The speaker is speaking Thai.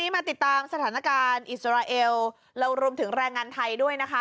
มาติดตามสถานการณ์อิสราเอลแล้วรวมถึงแรงงานไทยด้วยนะคะ